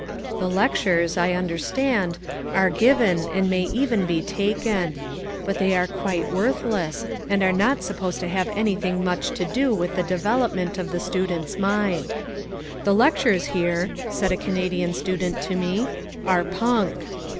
The lectures, I understand, are given and may even be taken. But they are quite worthless and are not supposed to have anything much to do with the development of the student's mind. "The lectures here," said a Canadian student to me, "are punk."